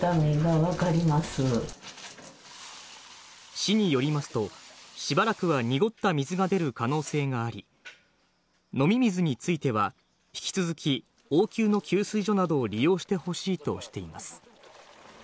市によりますとしばらくは濁った水が出る可能性があり、飲み水については引き続き応急の給水所などを利用してほしいとしています。